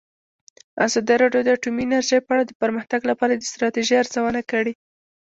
ازادي راډیو د اټومي انرژي په اړه د پرمختګ لپاره د ستراتیژۍ ارزونه کړې.